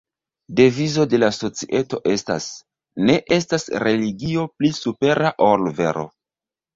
Devizo de la societo estas "ne estas religio pli supera ol vero".